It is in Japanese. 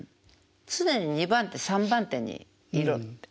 常に２番手３番手にいろって自分の中で。